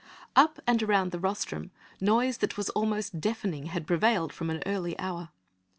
Up and around the rostrum, noise that was almost deafening had prevailed from an early hour.